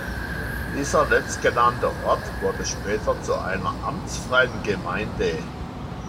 Dieser letztgenannte Ort wurde später zu einer amtsfreien Gemeinde.